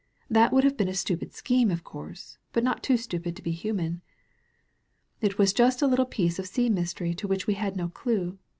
That would have been a stupid scheme of course, but not too stupid to be human. "It was just a little piece of sea mystery to which we had no dew.